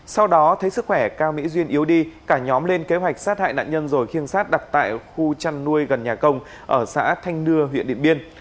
sau đó thấy sức khỏe cao mỹ duyên yếu đi cả nhóm lên kế hoạch sát hại nạn nhân rồi khiêng sát đặt tại khu chăn nuôi gần nhà công ở xã thanh nưa huyện điện biên